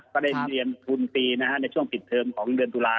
ก็ได้เตรียมภูมิปีในช่วงปิดเทอมของเดือนตุลา